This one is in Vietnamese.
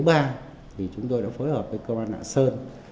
thì chúng tôi đã phối hợp với công an lạng sơn